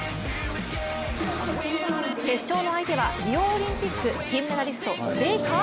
決勝の相手は、リオオリンピック金メダリストベイカー